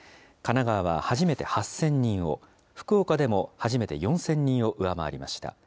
神奈川は初めて８０００人を、福岡でも初めて４０００人を上回りました。